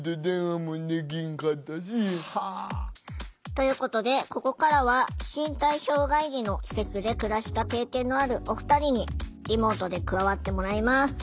ということでここからは身体障害児の施設で暮らした経験のあるお二人にリモートで加わってもらいます。